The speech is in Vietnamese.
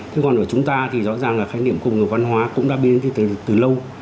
thế còn của chúng ta thì rõ ràng là khái niệm công nghiệp văn hóa cũng đã biến đi từ lâu